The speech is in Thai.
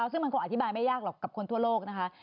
ซึ่งมันคงอธิบายไม่ยากหรอกกับคนทั่วโลกนะคะ